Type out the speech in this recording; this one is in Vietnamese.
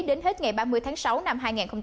đến hết ngày ba mươi tháng sáu năm hai nghìn hai mươi